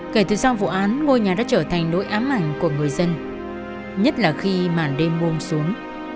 kể từ sau vụ án ngôi nhà đã trở thành nỗi ám ảnh của người dân nhất là khi màn đêm buông xuống